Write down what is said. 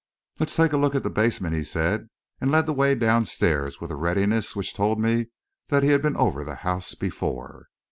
"Let's take a look at the basement," he said, and led the way downstairs with a readiness which told me that he had been over the house before.